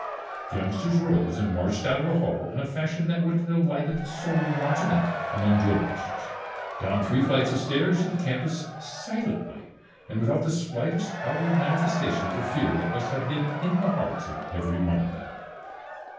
The youngsters rose and marched out of the hall in a fashion that would have delighted the soul of a martinet among drill masters, down three flights of stairs to the campus, silently, and without the slightest outward manifestation of the fear that must have been in the hearts of every one of them.